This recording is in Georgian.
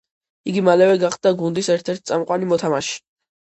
იგი მალევე გახდა გუნდის ერთ-ერთი წამყვანი მოთამაშე.